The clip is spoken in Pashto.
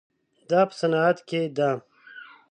دا په صنعت کې ده.